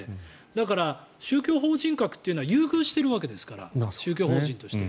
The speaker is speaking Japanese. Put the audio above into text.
だから、宗教法人格というのは優遇しているわけですから宗教法人として。